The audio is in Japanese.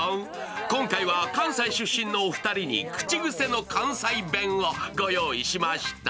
今回は関西出身のお二人に口癖の関西弁をご用意しました。